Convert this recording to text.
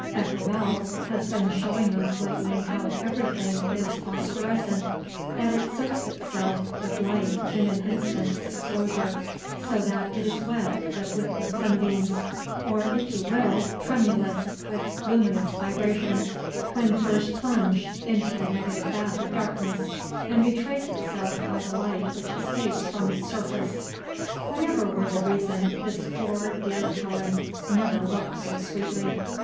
Becquerel has been showing us lately how everything is phosphorescent; that it soaks itself with light in an instant's exposure, so that it is wet with liquid sunbeams, or, if you will, tremulous with luminous vibrations, when first plunged into the negative bath of darkness, and betrays itself by the light which escapes from its surface. Whatever were the reason, this poor, dear Helen never looked so sweetly.